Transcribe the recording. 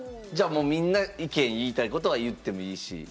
じゃあもうみんな意見言いたいことは言ってもいいし。